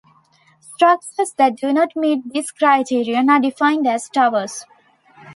Structures that do not meet this criterion, are defined as towers.